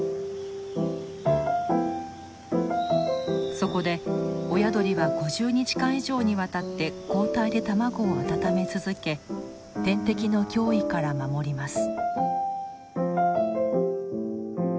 そこで親鳥は５０日間以上にわたって交代で卵を温め続け天敵の脅威から守ります。